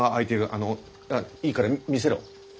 あのいいから見せろ。